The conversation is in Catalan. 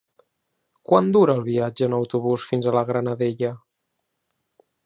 Quant dura el viatge en autobús fins a la Granadella?